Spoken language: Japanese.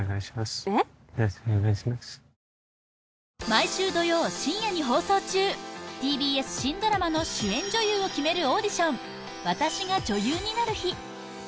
毎週土曜深夜に放送中ＴＢＳ新ドラマの主演女優を決めるオーディション「私が女優になる日」